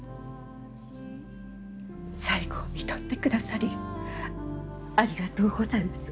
最期をみとってくださりありがとうございます。